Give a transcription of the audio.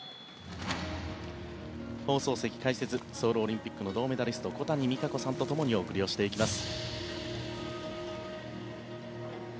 放送席解説ソウルオリンピックの銅メダリスト小谷実可子さんと共にお送りをしていきます。